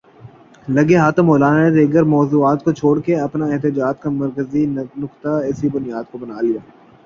لگے ہاتھوں مولانا نے دیگر موضوعات کو چھوڑ کے اپنے احتجاج کا مرکزی نکتہ اسی بنیاد کو بنایا ہے۔